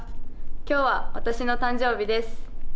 今日は私の誕生日です。